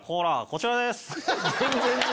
こちらです。